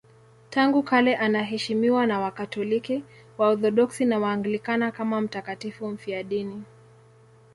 Tangu kale anaheshimiwa na Wakatoliki, Waorthodoksi na Waanglikana kama mtakatifu mfiadini.